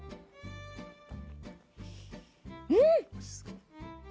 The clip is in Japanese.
うん！